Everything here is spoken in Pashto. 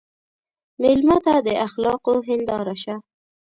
مېلمه ته د اخلاقو هنداره شه.